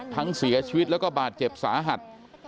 เสียชีวิตแล้วก็บาดเจ็บสาหัส